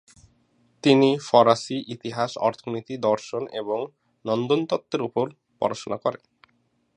তিনি ফরাসি, ইতিহাস, অর্থনীতি, দর্শন এবং নন্দনতত্ত্বের ওপরও পড়াশোনা করেন।